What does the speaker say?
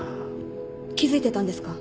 気付いてたんですか？